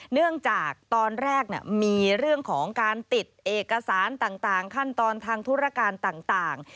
เนื่องจากตอนแรกมีเรื่องของการติดเอกสารต่างขั้นตอนทางธุรการต่าง